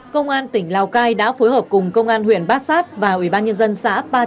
công an tỉnh lào cai đã phối hợp cùng công an huyện bát sát và ủy ban nhân dân xã ba treo